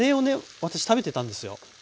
私食べてたんですよ